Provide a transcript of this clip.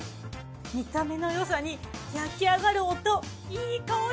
見た目のよさに焼き上がる音いい香り